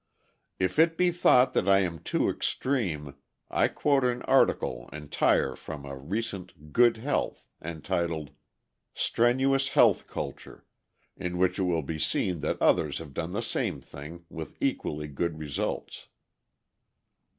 If it be thought that I am too extreme I quote an article entire from a recent Good Health, entitled "Strenuous Health Culture," in which it will be seen that others have done the same thing with equally good results.